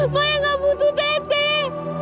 maya nggak butuh teh teh